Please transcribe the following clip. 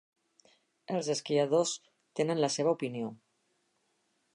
Els esquiadors tenen la seva opinió.